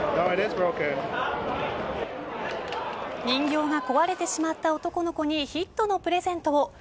人形が壊れてしまった男の子にヒットのプレゼントを。